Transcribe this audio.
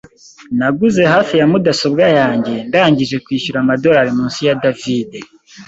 Naguze hafi ya mudasobwa yanjye ndangije kwishyura amadorari munsi ya David.